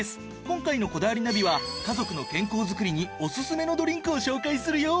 今回の『こだわりナビ』は家族の健康づくりにおすすめのドリンクを紹介するよ！